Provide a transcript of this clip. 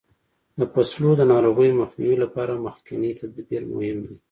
د فصلو د ناروغیو مخنیوي لپاره مخکینی تدبیر مهم دی.